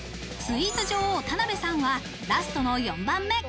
スイーツ女王・田辺さんはラスト４番目。